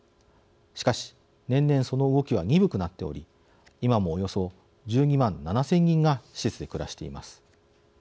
しかし年々その動きは鈍くなっており今もおよそ１２万７０００人が施設で暮らしています。